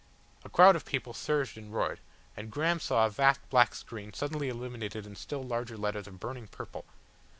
A crowd of people surged and roared, and Graham saw a vast black screen suddenly illuminated in still larger letters of burning purple.